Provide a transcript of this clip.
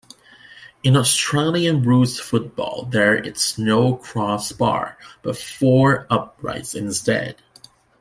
In Australian rules football, there is no crossbar but four uprights instead.